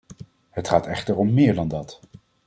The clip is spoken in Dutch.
Het gaat echter om meer dan dat.